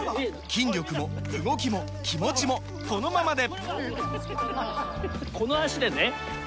筋力も動きも気持ちもこのままで！